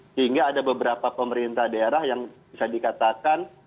sehingga ada beberapa pemerintah daerah yang bisa dikatakan